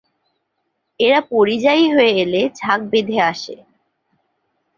এরা পরিযায়ী হয়ে এলে ঝাঁক বেঁধে আসে।